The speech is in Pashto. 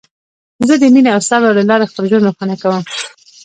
زه د مینې او صبر له لارې خپل ژوند روښانه کوم.